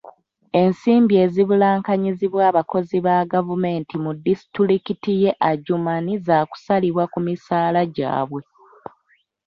Ensimbi ezibulankanyizibwa abakozi ba gavumenti mu disitulikiti y'e Adjumani za kusalibwa ku misaala gyabwe.